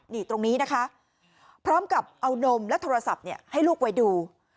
นี่ตรงนี้นะคะพร้อมกับเอานมและโทรศัพท์ให้ลูกไว้ดู